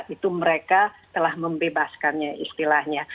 itu mereka telah membebaskannya istilahnya